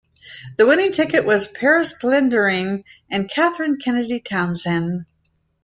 The winning ticket was Parris Glendening and Kathleen Kennedy Townsend.